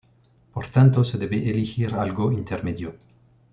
Por tanto se debe elegir algo intermedio.